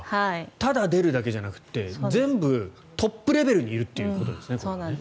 ただ出るだけじゃなくて全部トップレベルでいるということですね。